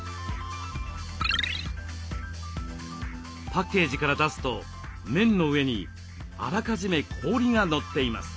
パッケージから出すと麺の上にあらかじめ氷が載っています。